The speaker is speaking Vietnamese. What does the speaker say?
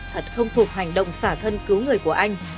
thật khâm phục hành động xả thân cứu người của anh